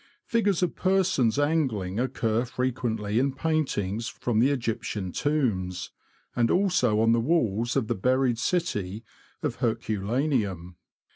Figures of persons angling occur frequently in paintings from the Egyptian tombs, and also on the walls of the buried city of Hercu laneum.